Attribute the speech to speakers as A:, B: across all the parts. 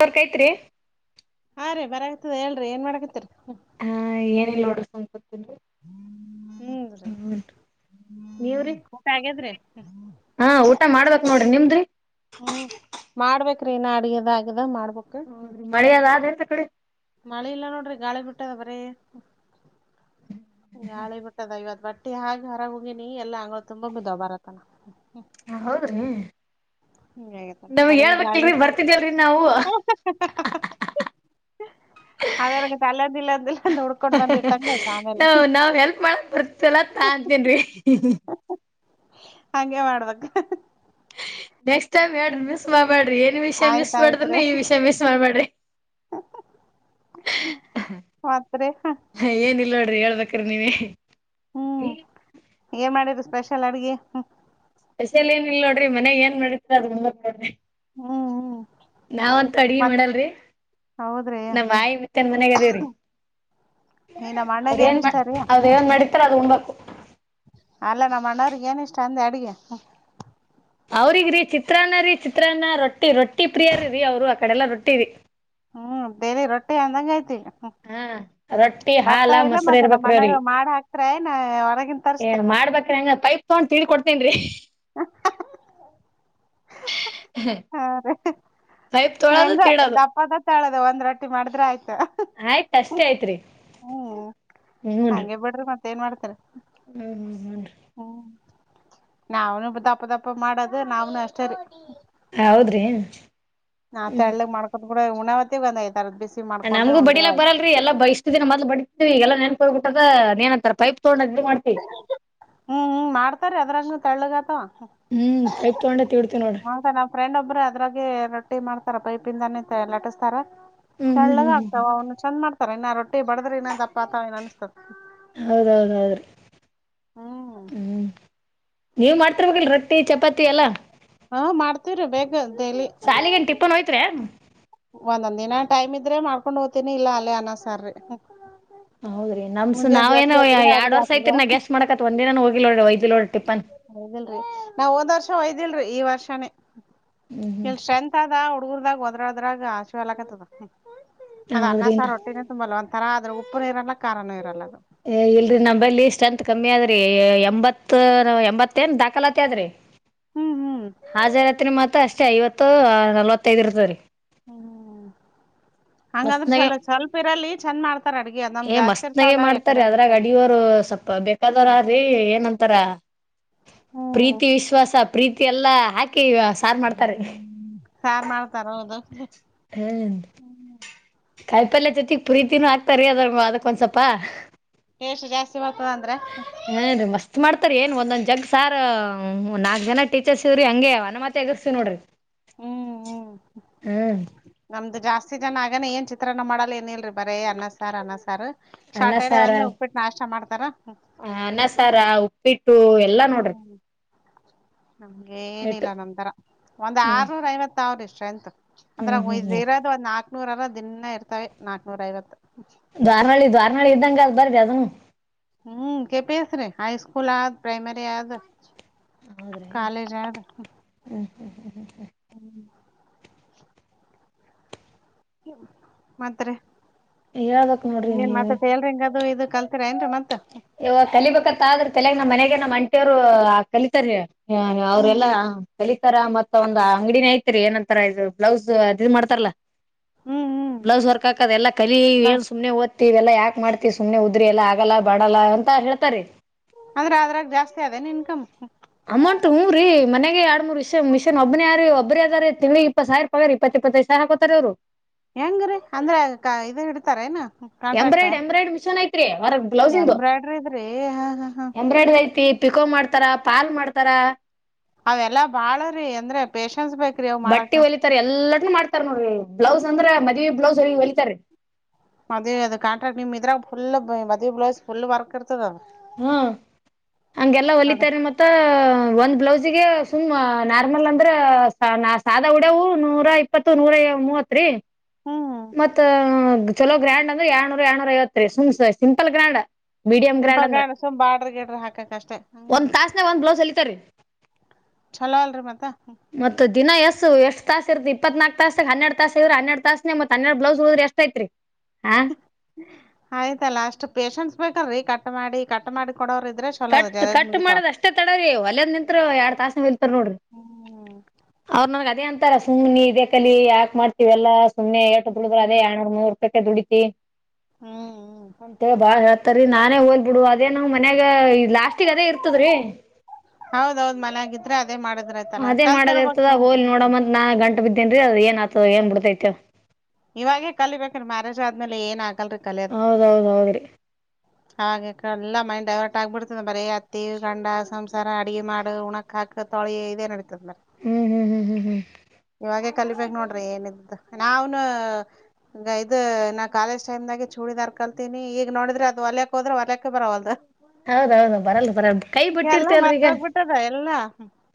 A: Work ಅಯ್ತ್ರಿ
B: ಹಾರೀ ಬರಾಗಗ್ತದೆ ಹೇಳರಿ ಏ ಮಾಡಕತ್ರಿರೀ
A: ಹಾ ಏನಿಲ್ಲ ನೋಡ್ರಿ ಸುಮ್ನೆ ಕುಂತಿನಿ
B: ಹ್ಮ್
A: ನೀವ್ರಿ
B: ಊಟ್ಟ ಹಾಗಾದ್ರಿ
A: ಹಾ ಊಟ ಮಾಡ್ಬೇಕಕ್ ನೋಡ್ರಿ ನಿಮ್ದ್ರಿ
B: ಹ್ಮ್ ಮಾಡ್ಬೇಕ್ರಿ ಇನ್ನ ಅಡಿಗೆದೆ ಆಗದ ಮಾಡಬೇಕು
A: ಹೌದ್ರೀ ಮಳೆ ಅಲ್ಲ ಆದ್ರಿ ಆ ಕಡೆ
B: ಮಳೆ ಇಲ್ಲ ನೋಡ್ರಿ ಗಾಳಿಬಟ್ಟಾ ಬರೀ ಗಾಳಿ ಬಿಟ್ಟದ ಇವತ್ತು ಬಟ್ಟ ಬಟ್ಟೆ ಹಾಕಿ ಹೊರಾಗ ಹೋಗಿನಿ ಎಲ್ಲಾ ಅಂಗಗಳ ತುಂಬಾ ಬಿದ್ವ ಬರತ್ತನ
A: ಹ ಹೌದ್ರೀ
B: ಅಯ್ಯಪ್ಪ ಬರೀ ಗಾಳಿ ಗಾಳಿ [inaudible]
A: ಬರ್ತಿದ್ದಿಲ್ರಿ ನಾವು
B: ಅದರಾಗ ಅಲ್ಲಿ ಅರ್ಧ ಇಲ್ಲಿ ಅರ್ಧ ಇಲ್ಲ ಅಂದ ಹುಡ್ಕೊಂಡ್ ಬಂಡಿಬಿಟ್ಟಂತ ಆಮೇಲೆ
A: ನಾವ್ ನಾವ್ ಹೆಲ್ಪ್ ಮಾಡಕ್ ಬರ್ತಲ್ಲ [unintelligible]
B: ಹಂಗೆ ಮಾಡಬೇಕು
A: ನೆಕ್ಸ್ಟ್ಟಮ್ ಹೇಳ್ರಿ ಮಿಸ್ ಮಾಡಬಡ್ರಿ ಏನ್ ವಿಷಯ
B: ಆಯ್ತ
A: ಮಿಸ್ ಮಾಡಿದ್ರ
B: ಆಯ್ತ್ರಿ
A: ಈನ್ ವಿಷಯ ಮಿಸ್ ಮಾಡಬೇಡ್ರಿ
B: ಮತ್ರಿ
A: ಏನಿಲ್ಲ ಹೇಳ್ಬೇಕ್ರಿ ನೀವೆ
B: ಹ್ಮ್ ಏನ್ ಮಾಡ್ರರಿ ಸ್ಪೆಷಲ್ ಅಡ್ಗೆ
A: ಸ್ಪೆಷಲ್ ಏನಿಲ್ಲ ನೋಡ್ರಿ ಮನೆಗ್ ಏನ್ ಮಾಡಿತಾರೇ ಅದೇ
B: ಹ್ಮ್ ಹ್ಮ್
A: ನಾವಂತೂ ಅಡ್ಗೆ
B: ಮತ್
A: ಮಾಡಲ್ರಿ
B: ಹೌದ್ರಿ
A: ನಮ್ಮ್ ಆಯಿ ಮತ್ತನ್ ಮನ್ಯಾಗ ಅದೇರೀ
B: ಈ ನಮ್ ಅಣ್ಣಗ ಏನ್
A: ಅವ್ರೇಏನ್
B: ಇಷ್ಟ ರೀ
A: ಅವ್ರ ಏನ್ ಮಾಡತಾರೆ ಅದು ಉಣಬೇಕು
B: ಅಲ್ಲ ನಮ್ಮ ಅಣ್ಣರಿಗೆ ಏನ ಇಷ್ಟ ಅಂದೆ ಅಡಗಿ
A: ಅವ್ರಿಗ್ರೀ ಚಿತ್ರಾನ್ನ ರೀ ಚಿತ್ರಾನ್ನ ರೊಟ್ಟಿ ರೊಟ್ಟಿ ಪ್ರಿಯರ ರೀ ಅವರು ಆ ಕಡೆಲ್ಲಾ ರೊಟ್ಟಿ ರೀ
B: ಹ್ಮ್ ಡೆಲಿ ರೊಟ್ಟಿ ಅಂದಂಗ ಐತಿಗ ಹ
A: ಹಾ ರೊಟ್ಟಿ ಹಾಲ
B: ಬರ್ತಾವ ಇಲ್ಲ
A: ಮೊಸರು
B: ಮತ್ತ ನಮ್ಮ
A: ಇರ್ಬೇಕ್ರಿ
B: ಮನೆ
A: ಅವ್ರಿಗೆ
B: ಮಾಡ ಹಾಕ್ತರಯನ ಹೊರಗನ್ ತರ್ಸ್ತಾರೆ ಮತ್ತೆ
A: ಮಾಡ್ಬ್ರ ಹಂಗ ಪೈಪ್ ತಗೊಂಡ ತಿಡಿ ಕೊಡ್ತೇನಿ ರೀ
B: ಹಾ ರೀ
A: ಪೈಪ್ ತೊಳೋದು
B: ಹೆಂಗ
A: ತಿಡೋದು
B: ದಪ್ಪದ ತೆಳ್ಳದ ಒಂದ್ ರೊಟ್ಟಿ ಮಾಡಿದ್ರೆ ಆಯ್ತು
A: ಆಯ್ತ ಅಷ್ಟೇ ಆಯತ್ರಿ
B: ಹ್ಮ್ ಹಂಗೆ ಬಿಡ್ರಿ ಮತ್ತೆ ಏನ್ ಮಾಡ್ತಾರ
A: ಹ್ಮ ಹ ಹನ್ರಿ
B: ನಾವ್ನು ದಪ್ಪ ದಪ್ಪ ಮಾಡದು ನಾವ್ನು ಅಷ್ಟರಿ
A: ಹೌದ್ರಿ
B: ನಾ
A: ಹ್ಮ್
B: ತೆಳ್ಳಗ್ ಮಾಡ್ಕೊಂತ ಕೂಡ ಊಣಾವತಿಗ ಒಂದ ಐದ
A: ನಮಗು ಬಡಿಲಕ್ ಬರಲ್ಲಲ್ರಿ ಎಲ್ಲ ಬ ಇಷ್ಟತ ದಿನ ಮದಲ ಬಡತಿದೀವಿ ಈ ಎಲ್ಲಾ ನೆನ್ಪಹೊಬಿಟ್ಟದ ಅದೇನ್ಂತರ ಪೈಪ್ ತಗೊಂಡ್ ಅಡ್ಡಿ ಮಾಡ್ತಿವಿ
B: ಹ್ಮ್ ಹ್ಮ ಮಾಡ್ತಾರ ಅದ್ರಾಗ ತೆಳ್ಳಗತ
A: ಹ್ಮ್ ಪೈಪ್ ತಗೊಂಡೆ ತಿಡ್ತೀವಿ ನೋಡ್ರಿ
B: ನಂತ ನಾವ್ ಫ್ರೆಂಡ್ ಒಬ್ಬರು ಅದ್ರಾಗಿ ರೊಟ್ಟಿ ಮಾಡ್ತ ಪೈಪಿಂದಾನ ಲ್ಲಟಿಸ್ತಾರ
A: ಹ್ಮ್ ಹ್ಮ್
B: ತಳ್ಳಗ
A: ಹ್ಮ್ ಹ್ಮ್
B: ಆಗ್ತಾವ
A: ಹ್ಮ್
B: ಅವನು ಚಂದ ಮಾಡ್ತ ಇನ್ನ ರೊಟ್ಟಿ ಬಡದರ ಇನ್ನ ದಪ್ಪಾತ ಅನಸ್ತತಿ
A: ಹೌದೌಹೌದದ್ರಿ
B: ಹ್ಮ್ ಹ್ಮ
A: ನೀವ್ ಮಾಡ್ತಿರ್ಬೇಕಲ್ ರೊಟ್ಟಿ ಚಪಾತಿ ಎಲ್ಲಾ
B: ಹಾ ಮಾಡ್ತವ್ರಿ ಬೇಕ ಡೈಲಿ
A: ಸಾಲಿಗೇನ್ ಟಿಪ್ಪನ್ ಹೋಯ್ತ್ರಿ
B: ಒಂದೊಂದ್ ದಿನ ಟೈಮ್ ಇದ್ರೆ ಮಾಡ್ಕೊಂಡ್ ಹೋಗ್ತೀನಿ ಇಲ್ಲ ಅಲ್ಲೇ ಅನ್ನ ಸಾರರಿ
A: ಹೌದ್ರಿ ನಮ್ಸ ನಾವೇಏನ ಎರಡ್
B: ಅಡ್ಗೆ
A: ವರ್ಷ ಐತಿ ನ ಗೆಸ್ ಮಾಡಕತ್ ಒಂದ ದಿನನ್ ಹೋಗಿಲ್ಲೋಡಿ ವೈದ
B: ಒದಿಲ್ರಿ ನಾವ ಒಂದ್ ವರ್ಷ ಒಯ್ದಿಲ್ರರಿ ಈ ವರ್ಷನೇ
A: ಹ್ಮ್ ಹ್ಮ್
B: ಇಲ್ ಸ್ಟ್ರೆಂತ್ ಅದ ಹುಡ್ಗರ್ದಾಗೋದ್ರದ್ರಾಗ ಆಶೀವಲ್ ಆಕತದ ಅದ ಅನ್ನ
A: ಹೌದ್ರಿ
B: ಸಾರು ಹೊಟ್ಟಿನೇ ತುಂಬಲ್ಲ ಒಂಥರ ಆದ್ರೆ ಉಪ್ಪುನುೂ ಇರಲ್ಲ ಖಾರಾನೂ ಇರಲ್ಲ ಅದು
A: ಏ ಇಲ್ರಿ ನಂಬಲಿ ಸ್ಟ್ರೇತ್ ಕಮ್ಮಿ ಆದ್ ಎ ಎಂಬತ್ ಎಂಬತ್ತ ಏನ್ ದಾಖಲಾತಿ ಅದ್ರಿ
B: ಹ್ಮ್ ಹ್ಮ್
A: ಹಾಜರಾತ್ರಿ ಮಾತ್ರ ಅಷ್ಟೇ ಐವತ್ತು ನಲ್ವತ್ತೈದ್ ಇರ್ತದರಿ
B: ಹ್ಮ್ ಹ್ಮ್್ಮ ಹಂಗಂದ್ರ
A: ಮಸ್ತ್ನಾಗೆ
B: ಸ್ವಲ ಸ್ವಲ್ಪ ಇರಲಿ ಚಂದ ಮಾಡ್ತಾರ ಅಡ್ಗೆ ಅದಮ್
A: ಏ
B: ಜಾಸ್ತಿ ಇರ್ತಾವಲ್ಲಾ ಎಕಡೆ ಬೇಕ
A: ಬೇಕಾದರ್ರೀ ಏನಂತಾರ
B: ಹ್ಮ್
A: ಪ್ರೀತಿ ವಿಶ್ವಾಸ ಪ್ರೀತಿ ಎಲ್ಲಾ ಹಾಕಿ ಸಾರು ಮಾಡ್ತಾರೆ
B: ಸಾರ್ ಮಾಡ್ತಾರ ಹೌದು
A: ಹ್ಮ ಕಾಯಿ ಪಲ್ಯ ಜೊತೆಗ್ ಪ್ರೀತಿನೂ ಹಾಕತಾರೀ ಅದ್ರ ಅದಕ್ಕೊಂದ್ಸಲ್ಪ.
B: ಜಾಸ್ತಿ ಮಾಡ್ತದ ಅಂದ್ರೆ
A: ರಿ ಏನ್ ಒಂದೊಂದ್ ಜಗ್ ಸಾರ್ ಒಂದ್ ನಾಕ್ ಜನ ಟೀಚರ್ಸ್ ಇದವ್ರಿ ಹಂಗೆ ಅನುಮಾ ಎಗಸ್ತೀವಿ ನೋಡ್ರಿ ಹ್ಮ್
B: ಆಸ್ತಿ ಜನ ಆಗಾನೇ ಏನ್ ಚಿತ್ರಾನ್ನ ಮಾಡಲ್ಲ ಏನಲ್ರರಿ ಬರೇ ಅನ್ನ ಸಾರ್ ಅನ್ನ ಸಾರ್
A: ಅನ್ನ
B: ಸ್ಟಾರ್ಟ್ರ ಡೇ
A: ಸಾರ
B: ಒಂದೆ ಉಪ್ಪಿಟ್ಟು ನಾಷ್ಟಾ ಮಾಡ್ತಾರ
A: ಅನ್ನ ಸಾರ್ ಉಪ್ಪಿಟ್ಟ ಎಲ್ಲಾ ನೋಡ್ರಿ
B: ನಮಗೆ
A: ಎಟ್ಟು
B: ಏನಿಲ್ಲ ನಮಂತರ ಒಂದ್
A: ಹ್ಮ್
B: ಆರ್ನೂರ ಐವತ್ ಸಾವ್ರ ಇಷ್ಟ ಅಷ್ಟ ಎಂತ
A: ಹ್ಮ್ ಹ್ಮ್
B: ಅಂದ್ರೆ
A: ಹ್ಮ್
B: ಇರೋದು ನಾಕ್ನೂರರ ದಿನ ಇರ್ತವೆ ನಾಕ್ನೂರ ಐವತ್ತು
A: ದ್ವಾರನಹಿಳ್ಳಿ ದ್ವಾರನಹಳ್ಳಿ ಇದ್ದಂಗ ಅದು ಬರದಿ ಅದನು
B: ಹ್ಮ್ ಕೆಫಿಸ್ರೆ ಹೈಸ್ಕೂಲ್ ಆದ್ ಪ್ರೈಮರಿ ಆದ್ ಕಾಲೇಜದ
A: ಹ ಹ ಹ ಹ
B: ಹ್ಮ್ ಮತ್ತರಿ
A: ಹೇಳ್ಬೇಕ್ ನೋಡ್ರಿ
B: ಮತ್ತ ಹೇಲ ರಿಂಗದು ಇದ
A: ಯಾವಾ ಕಲಿಬೇಕತ್ತ ಆದ್ರ ತಲಗ ನಮ್ಮ ಮನ್ಯಾಗ ಅಂಟಿಯರು ಕಲಿತಾರೀ. ಹಾ
B: ಹ್ಮ್
A: ಅವ್ರೆಲ್ಲಾ ಖಲಿ ತರ ಮತ್ತ ಒಂದ ಅಂಗಡಿನ ಐತ್ರಿ ಏನಂತಾರ ಇದ ಬ್ಲೌಸ್ ಅದ ಮಾಡ್ತಾರಲ್ಲ.
B: ಹ್ಮ್ ಹ್ಮ್
A: ಬ್ಲೌಸ್ ವರ್ಕ್ ಹಕದ ಎಲ್ಲ ಕಲಿ
B: ಬ
A: ಏನ್ ಸುಮ್ನೆ ಓದ್ತಿ ಇವೆಲ್ಲ ಯಾಕ್ ಮಾಡತ ಸುಮ್ನೆ ಉದ್ರಿ ಎಲ್ಲಾ ಎಲ್ಲ ಬಾಡಲ್ಲ ಅಂತ ಹೇಳ್ತಾರೀ.
B: ಅದ್ರೆ ಅದ್ರಾಗ ಜಾಸ್ತಿ ಅದೇನೆ ಇನ್ಕಮ್.
A: ಅಮೌಂಟ್ ಹುರಿ ಮನೆಗ ಎರಡ್ಮರ್ ವಿಷ ಮಿಷನ್ ಒಬ್ಬನ ಯಾರೀ ಒಬರಿ ಅದಾರ ತಿಂಗಳಿ ಇಪ್ಪತ್ ಸಾವಿರ ರಪ ಇ ಇಪ್ಪತೈದ ಸವಾರ ಹಾಕೋತಾರ ಅವ್ರು.
B: ಹೆಂಗ್ರೀ ಅಂದ್ರ ಕ ಇದ ಹಿಡ್ತಾರ ಏನ.
A: ಎಂಬ್ರಡ್ ಎಂಬ್ರಯ್ಡ್ ಮಿಷನ್ ಐತ್ರಿ. ಒರ ಬ್ಲೌಸ್ ಇಂದು
B: ಎಂಬ್ರಾಯ್ಡ್ರಿದ್ರಿ ಹ ಹ ಹ
A: ಎಂಬ್ರಯ್ಡದ ಐತಿ. ಪಿಕೋ ಮಾಡ್ತರ ಪಾಲ್ ಮಾಡ್ತರ.
B: ಅವೆಲ್ಲಾ ಬಾಳರೀ ಅಂದ್ರ ಪೇಶ
A: ಬಟ್ಟಿ ಒಲಿತಾರ ಎಲ್ಲನು ಮಾಡ್ತಾರ ನೋರಿ ಬ್ಲೌಸ್ ಅಂದ್ರ ಮ
B: ಮದ ಅದ ಕಾಟ ನಿಮ್ ಇದ್ರಾಗ ಫುಲ್ ಮದ್ವಿ ಫುಲ್ ವರ್ಕ್ರ್
A: ಹು ಹಂಗೆಲ್ಲ
B: ಅದ
A: ಹೊಲಿತಾರ ಮತ್ತ ಒಂದ್ ಬ್ಲೌಸ್ ಸುಮ್ ನಾರ್ಮಲ ಅಂದ್ರ ನ ಸಾದಾ ಉಡವು ನೂರ ಇಪ್ಪತ್ತು ನೂರ ಮೂವತ್ರಿ.
B: ಹ್ಮ್
A: ಮತ್ತ ಚಲೋ ಗ್ರ್ಯಾಂಡ್ ಅಂದ್ರ ಎಡ್ನೂರ ಏನೂರ ಐವತ್ ರೀ ಸುಮ್ simple grand. Medium grand
B: simple
A: ಅಂದ್ರ
B: ಗಾಡ್ ಸುಮ್ ಬಾಡ್ರ ಗಿಡ್ರ ಹಾಕಕ್ ಅಷ್ಟೇ ಹ್ಮ್
A: ಒಂದ್ ತಾಸನ್ಯಾಗ ಒಂದ್ ಬ್ಲೌಸ್ ಹೊಲಿತಾಂರಿ.
B: ಚಲೋ ಅಲ್ರಿ ಮತ್ತ
A: ಮತ್ತ ದಿನ ಎಸ ಎಷ್ ತಾಸ್ ಇರಾತ್ ಇಪ್ಪನಾಲ್ಕ ತಾಸ್ ಹನ್ನೆರಡ ತಾಸ ಇದ್ರ ಹನ್ನೆರಡ ತಾಸನಗ ಮ ಹನ್ನೆರಡ ತಾಸನ್ಯಾಗ ಹದ್ರ ಎಷ್ಟ ಐತ್ರಿ. ಹಾ
B: ಆಯ್ತಲ್ಲ ಅಷ್ಟ ಪೇಶನ್ಸ್ ಬೇಕಲ್ರಿ ಕಟ್ ಮಾಡಿ ಕಟ್ ಮಾಡ
A: ಕಟ್ ಕಟ್ ಮಾಡದಷ್ಟ ತಡ್ರರಿ ಹೋಲೆಂದ್ ನಿಂತ್ತ್ರ ಎರಡ್ ತಾಸನ ನಿಲ್ತಾರ ನೋಡ್ರಿ.
B: ಹ್ಮ್
A: ಅವ್ರ ನನ್ಗ್ ಅದೇ ಅಂತ ಇತರ ಸುಮ್ ನೀ ಇದೇ ಕಲಿ ಯಾಕ್ ಮಾಡ್ತಿ ಎಲ್ಲ ಸುಮ್ನೆ ಎಟ್ಟ ದುಡದ್ರೂ ಅದೇ ಯ ನೂರ ರೂಪಾಯಕ ದುಡತಿ ಅಂತೇಳಿ ಬಾಳ್ ಹೇಳ್ತಾರಿ ನಾನೇ ಹೋದ ಬಿಡು ಅದೇ ನ್ ಮನ ಈಗ ಲಾಸ್ಟಿಗೆ ಅದೇ ಇರ್ತದ್ರೀ.
B: ಹೌದೌದ್ ಮನ್ಯಾಗಿದ್ರೆ ಅದೇ ಮಾಡಿದ್ರಯ್ತಲ್ಲ
A: ಅದೇ ಮಾಡದ
B: ಕಲ್ತಿರ್ಬೇಕ್
A: ಇರ್ತದ
B: ಸುಮ್
A: ಹೋಲ್ ನೋಡಮ ಅಂತ ನಾ ಗಂಟ ಬಿದ್ದೇನ್ರೀ ಅದ ಏನ್ ಆತದ ಏನ್ ಬಿಡತೈತೋ.
B: ಇವಾಗೇ ಕಲಿಬೇಕ್ರೀ ಮ್ಯಾರೇಜ್ ಆದ್ಮೇಲ ಏನ್ ಆಗಲ್ರಿ ಕಲಿಯೋದ.
A: ಹೌದೌದ್ ಹೌದ್ರಿ
B: ಹಾಗೆ ಕ ಎಲ್ಲ ಮೈಂಡ ಡೈವರ್ಟ್ ಆಗ್ಬಿಡ್ತದ ಬರೀ ಅತ್ತಿ ಗಂಡ ಸಂಸಾರ ಅಡಗೆ ಮಾಡ ಉಣಕ್ ಹಾ ಕ ತೊಳಿ ಇದೇನಡ್ತಿಲ್ಲ.
A: ಹ್ಮ್ ಹ್ಮ್ ಹ್ಮ್ ಹ್ಮ್ ಹ್ಮ್.
B: ಇವಾಗೇ ಕಲಿಬೇಕ ನೋಡ್ರಿ ಏನಿದ್ದು ನಾವನು ಈ ಇದ ನಾ ಕಾಲೇಜ್ ಟೈಮ್ದಾಗ ಚೂಡಿದಾರ ಕಲ್ತೀನಿ ಈಗ ನೋಡಿದ್ರ ಅದು ಒಲಕೋದ್ರ ಹೊರ್ಲಕ್ಕ ಬರವಲ್ದ.
A: ಹೌದೌದು ಬರಲ್ಲ ಬರಲ್ಲ ಕೈ
B: ಎಲ್ಲ
A: ಬಿಟ್ಟಿರ್ತೇವಲ್ರಿ ಈಗ
B: ಮತ್ತೋಗಬಿಟ್ಟದ ಎಲ್ಲ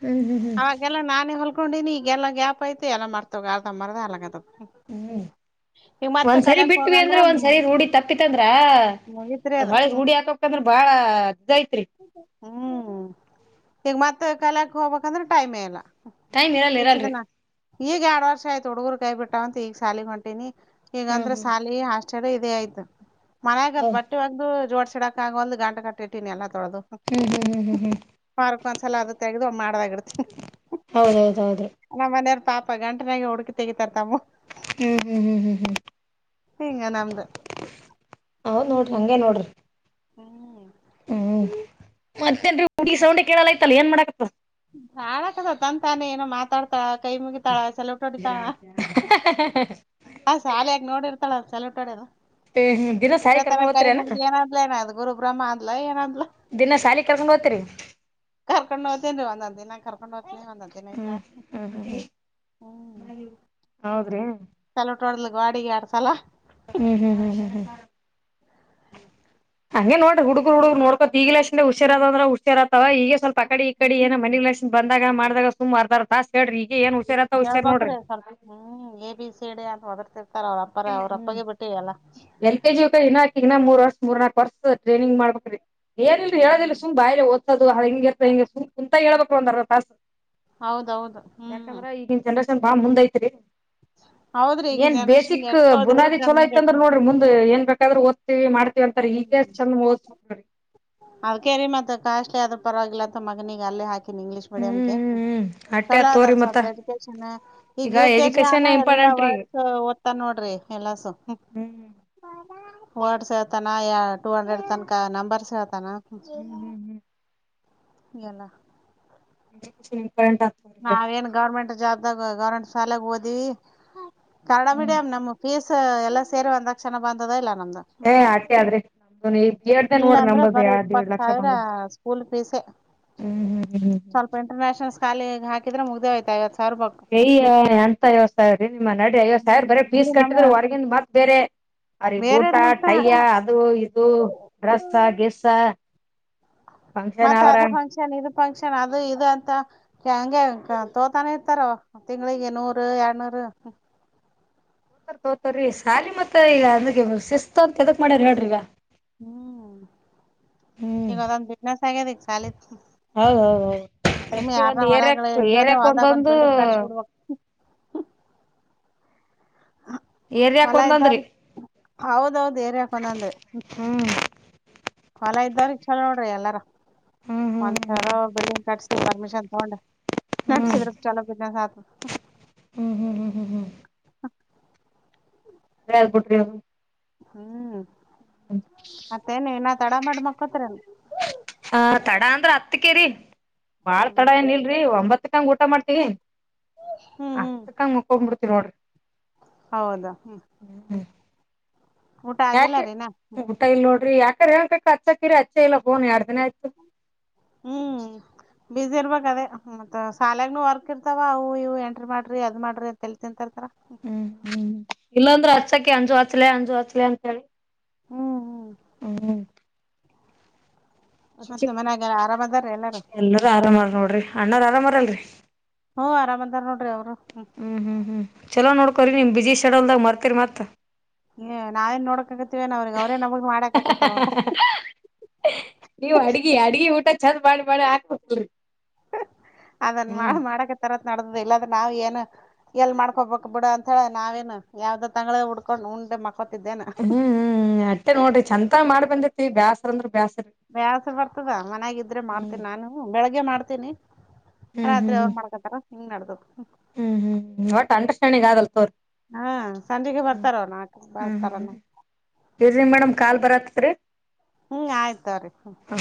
A: ಹ್ಮ್ ಹ್ಮ್ ಹ್ಮ್
B: ಅವಾಗೆಲ್ಲ ನಾನೇ ಹೊಲ್ಕೊಂಡಿನಿ ಈಗೆಲ್ಲ ಗ್ಯಾಪ್ ಐತ ಎಲ್ಲಾ ಮಾಡ್ತ ಆರ್ದ ಮರ್ದ ಅಲಗತ
A: ಹ್ಮ. ಒಂದ್ಸರಿ
B: ಕಲ್ಯಕ್
A: ಬಿಟ್ವಿ
B: ಹೋಗಂದ್ರ
A: ಅಂದ್ರ ಒಂದ್ಸರಿ ರೂಡಿ ತಪ್ಪಿತ ಅಂದ್ರ
B: ಮುಗಿತ್ರಿ
A: ಅ
B: ಅದ
A: ಹೊಳೆ
B: ಹ್ಮ್
A: ರೂಡಿ ಹಾಕಂದ್ರ ಬಾಳ ಇದ್ದಐತ್ರಿ.
B: ಹ್ಮ ಈಗ ಮತ್ತ ಕಲ್ಯಕ ಹೋಗ್ಕ್ಂದ್ರ ಟೈಮೆ ಇಲ್ಲ.
A: ಟೈಮ್ ಇರಲ್ಲ
B: ಇಷ್ಟ
A: ಇರಲ್ಲರಿ.
B: ದಿನ ಈಗ ಎರಡ್ ವರ್ಷ ಆಯ್ತ ಹುಡುಗರು ಕೈ ಬಿಟ್ಟಾವಂತ ಈಗ ಸಾಲಿ ಹೊಂಟಿನಿ
A: ಹ್ಮ್
B: ಈಗಂದ್ರ
A: ಹ್ಮ್
B: ಸಾಲಿ ಹ ಚಳ ಇದೇ ಆಯ್ತ ಮನ್ಯಾಗ
A: ಹ
B: ಬಟ್ಟೆ ಹೊಲದು ಜೋಡ್ಸಡಕ ಆಗವಲ್ತ ಗಂಡಗ ಅಟ್ಟ ಇಟ್ಟಿನ ಎಲ್ಲ. ತೊಳದು
A: ಹ್ಮ್ ಹ್ಮ್ ಹ್ಮ್ ಹ್ಮ್ ಹ್ಮ್
B: ವಾರಕ್ಕ ಒಂದ್ಸಲ ಅದು ತೆಗೆದು ಮಾಡದಾಗಿ
A: ಹೌದ ಹೌದ ಹೌದ್ರಿ.
B: ಮನೆಯಾರ ಪಾಪ ಗಂಟನಾಗ ಹುಡುಕಿ ತಗಿತಾರ ತಮ್ಮ
A: ಹ್ಮ್ ಹ್ಮ್ ಹ್ಮ್ ಹ್ಮ್ ಹ್ಮ್.
B: ಹಿಂಗ ನಮದ
A: ಅವನ್ ನೋಡ್ರಿ ಹಂಗೆ ನೋಡ್ರಿ
B: ಹ್ಮ್
A: ಹ್ಮ್ ಮತ್ತನ್ರಿ ಹುಡುಗಿ ಸೌಂಡೆ ಕೇಳಲ್ಲಯ್ತಲ್ಲ ಏನ್ ಮಾಡಕತ್
B: ಆಡಕದ ತ ತಾನೇ ಏನೋ ಮಾತಾಡ್ತಾ ಕೈ ಮುಗಿ ತಾಳ ಸೆಲ್ಯೂಟ್ ಹೋಡಿ ತಾಳ ಹ ಶಾಲ ಆಗ ನೋಡಿರ್ತಾಳ ಸೊಲ್ಯೂಟ್ ಹೊಡಿಯೋದು
A: ದಿನ ಸಾರಿ
B: ಇ್ರ ತಾನ
A: ಕರ್ಕೊಂಡ್
B: ಕೈ ಮುಗ್ದ
A: ಹೋಗ್ತಿರೇನ
B: ಏನ ಅನಾದ್ಲ ಏನ ಗುರು ಬ್ರಹ್ಮ ಅಂದಲ ಏನ ಅನಾದಲ್ಲ
A: ದಿನ ಶಾಲಿ ಕರ್ಕೊಂಡು ಹೋಗ್ತರಿ
B: ಕರ್ಕೊಂಡು ಹತೇನ್ ಒಂದ ಒಂದು ದಿನ ನ ಕರ್ಕೊಂಡು
A: ಹ್ಮ್ ಹ್ಮ
B: ಹ್ಮ್
A: ಹ ಹೌದ್ರಿ
B: ಗೋಡೆಗೆ ಎರಡು ಸಲ
A: ಹ್ಮ್ ಹ್ಮ್ ಹ್ಮ್ ಹ್ಮ್ ಹ್ಮ್ ಹಂಗೆ ನೋಡ್ರಿ ಹುಡುಗ್ರು ಹುಗ್ರು ನೋಡ್ಕೋತ್ ಈಗಲಷ್ಟಿಂದ ಹುಷಾರತದ ಅಂದ್ರ ಹುಷಾರತವ ಈಗ ಸ್ವಲ್ಪ ಪಕಡಿ ಈ ಕಡಿ ಏನ
B: ಹ್ಮ್
A: ಮನೆಗ್ ಲಕ್ಷಿ ಬಂದಾಗ ಮಾಡಾಗ ಸುಮಾರದಾರ ದಾಸ್ ಕ ಹೇಳ್ರಿ ಏನ್ ಹುಷಾರತ ಹುಷಾರ್
B: ಹೇಳ್ಬೇಕ್ರಿ
A: ನೋಡ್ರಿ
B: ಎಲ್ಲ ಸ್ವಲ್ಪ ಹ್ಮ್ ಎ ಬಿ ಸೀ ಡಿ ಅಂತ ಹೊದರ್ತಿರ್ತಾರ ಅವ್ರಪ್ಪರ ಅವ್ರಪ್ಪಗೆ ಬಿಟ್ಟಿ ಎಲ್ಲ
A: ಎಲ್ ಕೆ ಜಿ ಇಕಿಗನಾ ಮೂರ್ ವರ್ ಮೂರ್ನಾಕಕ್ ವರ್ಷ ಟ್ರೈನಿಂಗ್ ಮಾಡ್ಬೇಕಕ್ ರೀ ಏನ ಇಲ್ರಿ
B: ಹ್ಮ್
A: ಹೇಳೋದಿಲ್ಲ ಸುಮ್ನೆ ಬಾಯ ಓದಸೋದು ಹಂಗ ಇರ್ತಾಂಗ ಸುಂಕುಂತಾಗ ಹೇಳ್ಬೇಕ್ರಿ ಅರ್ಧ ತಾಸ
B: ಹೌದೌದು ಹ್ಮ್
A: ಬಾ ಮುಂದ್ ಐತ್ರಿ
B: ಹೌದ್ರಿ ಈಗ
A: ಏನ್
B: ಜನ್ರೇಷನ್ಗೆ
A: ಬೇಸಿಕ್
B: ಎಷ್ಟ್ ಓದಿದ್ರು
A: ಬುನಾದಿ ಚೋಲೋ
B: ಕಮ್ಮಿ ರೀ
A: ಐತಂದ್ರ ನೋಡ್ರ ಮುಂದ ಏ ಬೇಕಾದ್ರ ಓದ್ತಿವಿ ಮಾಡ್ವಿ ಅಂತರಿ ಈಗಷ್ಟ ಚಂದ ಹ ಓದಸ ಬೆಕ್
B: ಪರವಾಗಿಲ್ಲಂತ ಮಗನಿಗೆ ಅಲ್ಲೇ ಹಾಕಿನಿ ಇಂಗ್ಲೀಷ್
A: ಹ್ಮ್
B: ಮೀಡಿಯಂಗೆ
A: ಹ್ಮ್ ಹ್ಮ್ ಅಟ್ಟೆ
B: ಚಲೋ
A: ಆತ್ ತೋರಿ
B: ಅದಲ್
A: ಮತ್ತ
B: ಸ್ವಲ್ಪ ಎಜುಕೇಶನ್ ಈಗ ಯು ಕೆ ಜಿ
A: ಎಜುಕೇಶನ್
B: ಅನ ಎಲ್ಲಾ
A: ಇಂಪಾರ್ಟೆಂಟ್ ರೀ ಈಗ
B: ವರ್ಡ್ಸ್ ಓದ್ತಾ ನೋಡ್ರಿ ಎಲ್ಲಸ
A: ಹ್ಮ್
B: [unintelligible] ವರ್ಡ್ಸ್ ಹೇಳ್ತಾನ ಯ ಟೂ ಹಂಡ್ರೆಡ್ ತನಕ ನಂಬರ್ಸ್ ಹೇಳ್ತಾನ
A: ಹ್ಮ್ ಹ್ಮ್ ಹ್ಮ್
B: ಎಲ್ಲ
A: ಹ [inaudible]
B: ನಾವೇಏನ್ ಗೌರ್ಮೆಂಟ್ ಜಾಬ್ದಾಗ ಗೌರ್ಮೆಂಟ್ ಶಾಲೆಗ ಓದಿವವಿ ಕನ್ನಡ
A: ಹ್ಮ್
B: ಮೀಡಿಯಂ ನಮ ಫೀಸ್ ಎಲ್ಲ ಸೇರಿ ಒಂದ ಲಕ್ಷಪ ಬಂದದ ಇಲ್ಲ ನಮ್ದಾಗ
A: ಏ ಅಟ್ಟೆ ಆದ್ರಿ ನಮ್ದು ಈ ಬಿ ಎಡ್ ದ
B: ಇಲ್ಲಾ
A: ನೋಡ್ರಿ
B: ಅಂದ್ರೆ
A: ನಂಬದು
B: ಬರ
A: ಎರಡ್
B: ಇಪ್ಪತ್
A: ದೇಡ್ ಲಕ್ಷ
B: ಸಾವಿರ
A: ಬಂದದ್ದು
B: ಸ್ಕೂಲ್ ಫೀಸೇ
A: ಹ್ಮ್ ಹ್ಮ್ ಹ್ಮ್ ಹ್ಮ್ ಹ್ಮ್
B: ಸ್ವಲ್ಪ ಇಂಟರ್ನ್ಯಷನಲ್ಸ್ ಶಾಲಿ ಹಾಕಿದ್ರೆ ಮುಗ್ದೇ ಹಯ್ತ ಐವತ್ತು
A: ಅಯ್ಯ ಎಂತ ಐವತ್ ಸಾವಿರೀ ನಿಮ್ಮ ನಡಿ ಐವತ್ ಸಾವಿರ ಬರ ಫೀಸ್
B: ಇಲ್ಲಿ ನಮ್ಮ
A: ಕಟ್ಟಿದ್ರ ಹೊರಗಿಂದ ಮತ್ ಬೇರೆ ಅರಿ ಬೂಟ
B: ಬೇರೆದನಂತ
A: ಟೈ ಅದು ಇದು ಡ್ರೆಸ್ಸ ಗೀಸ
B: ಮತ್ತೆ ಅದು ಫಂಕ್ಷನ್ ಇದು ಫಂಕ್ಷನ್ ಅದು ಇದು ಅಂತ ಹೆಂಗೆ ತೋತಾನೆ ಇರ್ತಾರ ತಿಂಗಗಳಿಗೆ ನೂರು ಎರಡನೂರು ಹ್ಮ ಹ್ಮ
A: ತೋತರ್ ತೋತಾರ್ರಿ ಸಾಲಿ ಮತ್ತತ್ ಈಗ ಅಂದಗೆ ಶಿಸ್ತು ಅಂತ ಎದಕ್ ಮಾಡ್ಯರಿ ಹೇಳ್ರಿಗ
B: ಹ್ಮ್
A: ಹ್ಮ್
B: ಈಗದೊಂದ್ ಬಿಸಿನಸ್ ಆಗ್ಯದ ಈಗ ಶಾಲಿದು
A: ಹೌದೌದೌದು
B: ಸುಮ್ಮಿ
A: ಪ್ರತಿ ಒಂದ್
B: ಯಾರ
A: ಏರಿಯಾಕ್
B: ಹೊಲಾಗಡೆ ಇದ್ದು ಅಂದ್ರೆ
A: ಏರಿಯಾಕ್
B: ಹೊಲ್ದಾಗ ಒಂದು
A: ಒಂದೊಂದು
B: ಬೆಲ್ಡಿಂಗ್ ಕಟ್ಸ ಬಿಡ್ಬೇಕ
A: ಏರಿಯಾಕ್
B: ಹೊಲ
A: ಒಂದೊಂದ್ರಿ
B: ಇದೂಂರಿಗ ಹೌದೌದ ಏರಿಗ ಒಂದೊಂದು
A: ಹ್ಮ್
B: ಹೊಲ ಇದವ್ರಿಗೆ ಚಲ ನೋಡ್ರಿ ಎಲ್ಲಾರ
A: ಹ್ಮ್ ಹ್ಮ್
B: ಒಂದ್ಸರ
A: ಹ್ಮ್
B: ಬಿಲ್ಡಿಂಗ್ ಕಟ್ಸ ಪರ್ಮಿಷನ್ ತಗೊಂಡ ನಡಸಿದ್ರ
A: ಹ್ಮ್
B: ಚಾಲೋ ಬಿಸಿನೆಸ್ [unintelligible]
A: ಹ್ಮ್ ಹ್ಮ್ ಹ್ಮ್ ಹ್ಮ್ ಹ್ಮ್ ಹ್ಮ್
B: ಹಾ
A: ಳ್ ಕೊಟ್ರಿ ಅವರು
B: ಹ್ಮ್ ಮತ್ತೇನ್ ನ ತಡ ಮಾಡಿ ಮಕ್ಕೊತಿರ್ ಏನ್
A: ಹ ತಡ ಅಂದ್ರ ಹತ್ಕೇರಿ ಬಾಳ್ ತಡ ಏನ್
B: ಹ್ಮ್
A: ಇಲ್ರಿ ಒಂಬತ್ತಕಂಗ ಊಟ ಮಾಡ್ತಿವಿ ಅಷ್ಟುಕ ಮಕ್ಕ ಬಿಡ್ತೀವಿ ನೋಡ್ರಿ
B: ಹೌದಾ ಹ
A: ಯಾಕೆ ಊಟ ಇಲ್ ನೋಡ್ರಿ ಯಾಕೆ ಅಚ್ಚಕ್ಕಿರಿ ಅಚ್ಚ ಇಲ್ಲ ಹೋನ್ ಎರಡ್ ದಿನ ಆಯತು.
B: ಹ್ಮ್ ಬಝಿ ಇರ್ಬೇಕ ಅದೇ ಮತ್ತ ಶಾಲಾಗನುೂ ವರ್ಕ್ ಇರ್ತಾವ ಅವು ಇವು ಎಂಟ್ರಿ ಮಾಡ್ರಿ ಅದ್ ಮಾಡ್ರಿ ಅಂತಳ್ ತಿಂತರ್ತರ. ಹ
A: ಇಲ್ಲಾಂದ್ರೆ ಹಚ್ಚಕ್ಕೆ ಅಂಜು ಹಚ್ಲಿ ಅಂಜು ಹಚ್ಲಿ ಅಂತ ಹೇಳಿ.
B: ಹ್ಮ್ ಹ್ಮ್
A: ಹ್ಮ್ [unintelligible]
B: ಮತ್ ನಿಮ್ ಮನ್ಯಾಗ ಆರಾಮ್ ಅದಾರ ಎಲ್ಲಾರು
A: ಎಲ್ಲಾರೂ ಆರಾಮಾರ ನೋಡ್ರಿ ಅಣ್ಣಾರ ಆರಾಮಾರಲ್ರಿ.
B: ಹ್ಮ್ ಆರಾಮ್ ಅಂದಾರ ನೋಡ್ರಿ ಅವ್ರು.
A: ಹ್ಮ್ ಹ್ಮ್ ಹ್ಮ್ ಚಲೋ ನೋಕೋರಿ ನಿಮ್ ಬಿಜಿ ಶಡಲ್ದಾಗ ಮರ್ತರಿ ಮತ್.
B: ಏ ನವೇನ್ ನೋಡಕಕ್ಕ ಆತಿವೇನ್ ಅವ್ರಿಗೆ ಅವ್ರ
A: ನೀವು ಅಡ್ಗಿ ಅಡ್ಗೆ ಊಟ ಚದ ಮಾಡಿ ಮಾಡಿ ಅಕ್ಬೆರ್ ರೀ.
B: ಅದನ್ ಮಾಡ ಮಾಡಕ ತರ. ನಡ್ದ ಇಲ್ಲಾರೆ ನಾವ್ ಏನು ಎಲ್ ಮಾಡ್ಕೋಬೇಕಕ್ ಬಿಡ ಅಂತ ಹೇಳ ನಾವೇನು ಯಾವ್ದೋ ತಂಗ್ಗಳ ಉಡ್ಕೊಂಡು ಉಂಡೆ ಮಕ್ಕ
A: ಹ್ಮ್ ಹ್ಮ್ ಅಷ್ಟೆ ನೋಡ್ರಿ ಚಂತ ಮಾಡ್ ಬಂದಿತಿ ಬ್ಯಾಸ್ರ ಅಂದ್ರ ಬ್ಯಾಸ್ರ.
B: ಬ್ಯಾಸ ಬರ್ತದ ಮನ್ಯಾಗಿದ್ರೆ ಮಾಡ್ತೀನಿ ನಾನು ಬೆಳಿಗ್ಗೆ ಮಾಡ್ತೀನಿ.
A: ಹ್ಮ್ ಹ್ಮ್
B: ರಾತ್ರಿ ಅವರು ಮಾಡ್ಕತಾರ ಹಿಂಗ್ ನಡ್ದದ.
A: ಹ್ಮ್ ಹ್ಮ್ ಒಟ್ ಅಂಡ್ರಸ್ಟ್ಯಾಂಡಿಂಗ್ ಆದಲ್ಲ ತೋರಿ.
B: ಹಾ ಸಂಜೆಗೆ ಬರ್ತಾರ ನಾಲ್ಕು
A: ಹ್ಮ್
B: ಬರ್ತಾರ.
A: ಹ್ಮ್ ಇರ್ರಿ ಮೇಡಮ್ ಕಾಲ್ ಬರತ್ತತ್ರಿ
B: ಹ್ಮ್ ಆಯ್ತವ್ರಿ ಹ್ಮ
A: ಹಾ.